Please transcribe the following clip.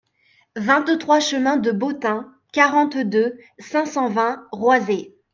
vingt-trois chemin de Beautin, quarante-deux, cinq cent vingt, Roisey